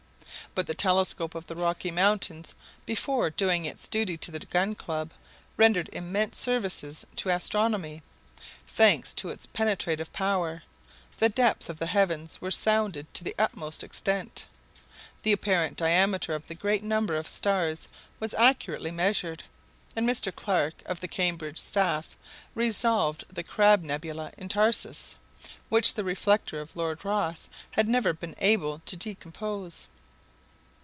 But the telescope of the Rocky Mountains, before doing its duty to the Gun Club, rendered immense services to astronomy. Thanks to its penetrative power, the depths of the heavens were sounded to the utmost extent; the apparent diameter of a great number of stars was accurately measured; and Mr. Clark, of the Cambridge staff, resolved the Crab nebula in Taurus, which the reflector of Lord Rosse had never been able to decompose.